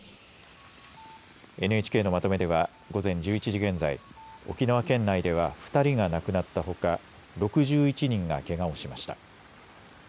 ＮＨＫのまとめでは午前１１時現在沖縄県内では２人が亡くなったほか６１人がけがをしました。